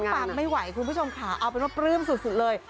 ฟังไม่ไหวคุณผู้ชมค่ะเอาเป็นว่าปลื้มสุดเลย